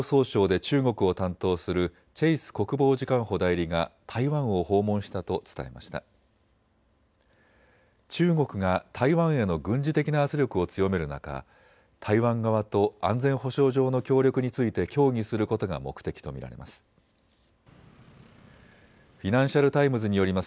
中国が台湾への軍事的な圧力を強める中、台湾側と安全保障上の協力について協議することが目的と見られます。